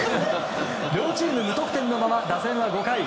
両チーム無得点のまま打線は５回。